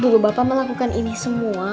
ibu bapak melakukan ini semua